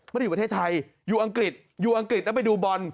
อยู่ประเทศไทยอยู่อังกฤษอยู่อังกฤษแล้วไปดูบอล